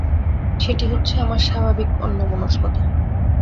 সেটি হচ্ছে আমার স্বাভাবিক অন্যমনস্কতা।